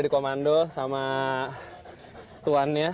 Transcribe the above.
kando sama tuannya